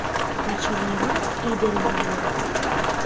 Каче лийымат, ӱдырым нальым